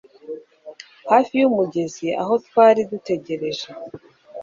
Hafi yumugezi aho twari dutegereje